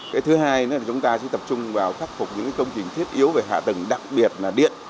cái thứ hai nữa là chúng ta sẽ tập trung vào khắc phục những công trình thiết yếu về hạ tầng đặc biệt là điện